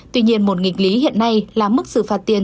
tuy nhiên một nghịch lý hiện nay là mức xử phạt tiền